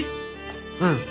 「うん。